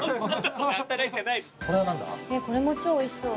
これも超おいしそう。